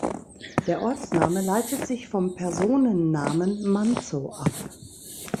Der Ortsname leitet sich vom Personennamen "Manzo" ab.